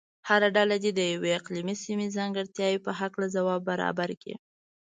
هره ډله دې د یوې اقلیمي سیمې ځانګړتیا په هلکه ځواب برابر کړي.